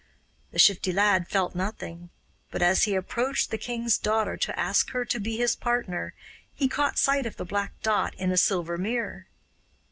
The Shifty Lad felt nothing, but as he approached the king's daughter to ask her to be his partner he caught sight of the black dot in a silver mirror.